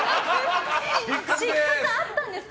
失格あったんですか？